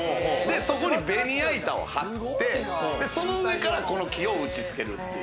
そこにベニヤ板を貼って、その上から、この木を打ち付ける。